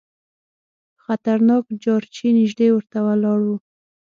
خطرناک جارچي نیژدې ورته ولاړ وو.